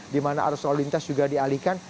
di mana arus lalu lintas juga dialihkan